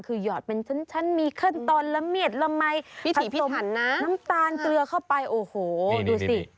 คือหยอดเป็นชั้นมีขั้นตอนละเมียดละไหมน้ำตาลเกลือเข้าไปโอ้โหดูสิ